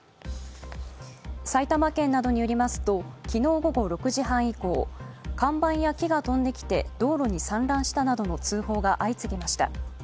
埼玉県などによりますと昨日午後６時半以降看板や木が飛んできて道路に散乱したなどの通報が相次ぎました。